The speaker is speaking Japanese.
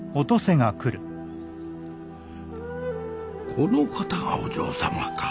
この方がお嬢様か。